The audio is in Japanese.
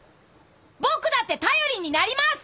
僕だって頼りになります！